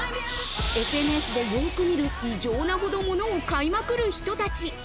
ＳＮＳでよく見る、異常なほど物を買いまくる人たち。